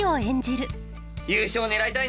優勝狙いたいな。